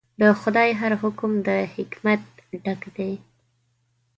د خدای هر حکم د حکمت ډک دی.